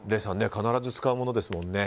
必ず使うものですもんね。